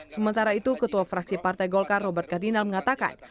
sementara itu ketua fraksi partai golkar robert kardinal mengatakan